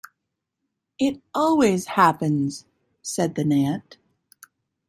‘It always happens,’ said the gnat.